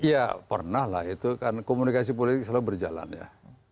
ya pernah lah itu kan komunikasi politik selalu berjalan ya